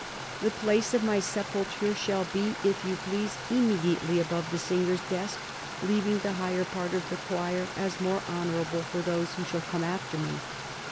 ...""... The place of my sepulture shall be, if you please, immediately above the singers' desk, leaving the higher part of the choir, as more honourable, for those who shall come after me.